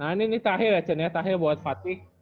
nah ini nih terakhir ya cun ya terakhir buat fatih